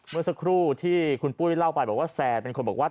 เมื่อสักครู่ที่คุณปุ้ยเล่าไปบอกว่าแซนเป็นคนบอกว่า